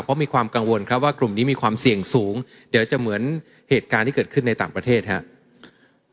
เพราะมีความกังวลครับว่ากลุ่มนี้มีความเสี่ยงสูงเดี๋ยวจะเหมือนเหตุการณ์ที่เกิดขึ้นในต่างประเทศครับ